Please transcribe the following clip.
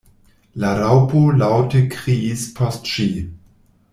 La Raŭpo laŭte kriis post ŝi.